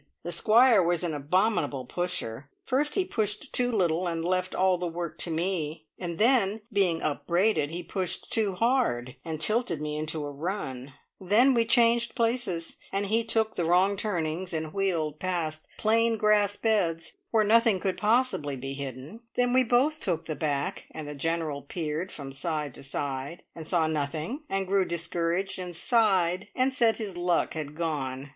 The Squire was an abominable pusher; first he pushed too little and left all the work to me; and then, being upbraided, he pushed too hard and tilted me into a run; then we changed places, and he took the wrong turnings, wheeled past plain grass beds where nothing could possibly be hidden; then we both took the back, and the General peered from side to side, and saw nothing, and grew discouraged, and sighed, and said his luck had gone.